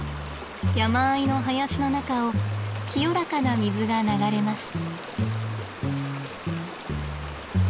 山あいの林の中を清らかな水が流れます。